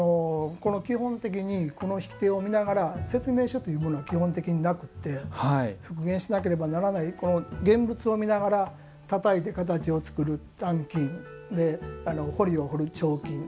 基本的にこの引き手を見ながら説明書というものは基本的になくて復元しなければならない現物を見ながらたたいて形を作る鍛金彫りを彫る彫金。